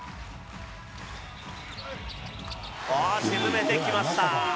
おー、沈めてきました。